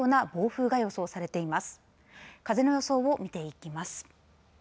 風の予想を見ていきます。